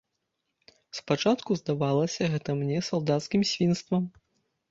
Спачатку здавалася гэта мне салдацкім свінствам.